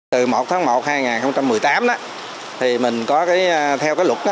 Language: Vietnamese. từ một tháng một hai nghìn một mươi tám thì mình có theo cái luật đó